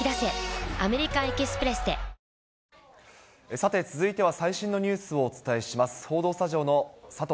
さて、続いては最新のニュースをお伝えします。